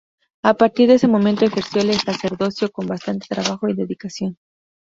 A partir de ese momento, ejerció el sacerdocio con bastante trabajo y dedicación.